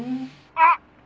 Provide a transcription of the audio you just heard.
「あっ！」